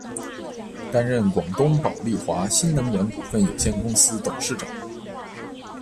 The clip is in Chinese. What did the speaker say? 担任广东宝丽华新能源股份有限公司董事长。